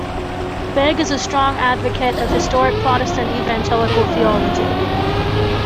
Begg is a strong advocate of historic Protestant Evangelical theology.